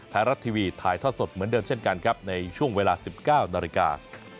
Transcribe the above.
ไทยรัฐทีวีถ่ายทอดสดเหมือนเดิมเช่นกันครับในช่วงเวลา๑๙นาฬิกา